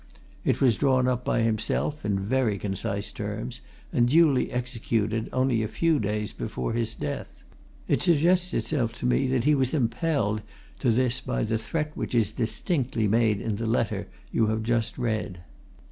It was drawn up by himself, in very concise terms, and duly executed, only a few days before his death. It suggests itself to me that he was impelled to this by the threat which is distinctly made in the letter you have just read."